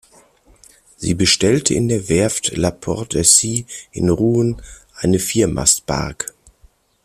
Sie bestellte in der Werft Laporte et Cie in Rouen eine Viermastbark.